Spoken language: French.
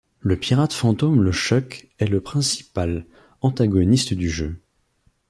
Le pirate fantôme LeChuck est le principal antagoniste du jeu.